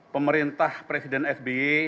pemerintah presiden sby